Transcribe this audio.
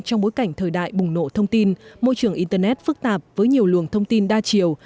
trong bối cảnh thời đại bùng nổ thông tin môi trường internet phức tạp với nhiều luồng thông tin đa chiều